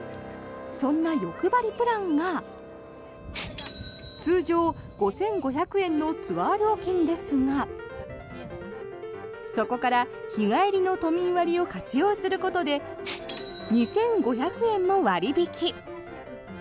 そんな欲張りプランが通常５５００円のツアー料金ですがそこから日帰りの都民割を活用することで２５００円も割引。